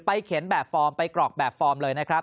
ไปเข็นแบบฟอร์มไปกรอกแบบฟอร์มเลย